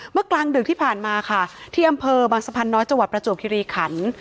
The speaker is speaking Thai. กลางดึกที่ผ่านมาค่ะที่อำเภอบางสะพานน้อยจังหวัดประจวบคิริขัน